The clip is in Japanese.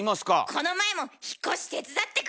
この前も引っ越し手伝ってくれた！